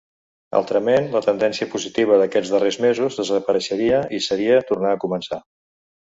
Altrament, la tendència positiva d’aquests darrers mesos desapareixeria i seria tornar a començar.